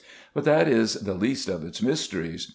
But that is the least of its mysteries.